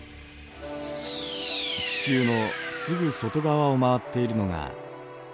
地球のすぐ外側を回っているのが火星です。